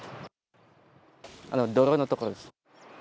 あの泥の所です。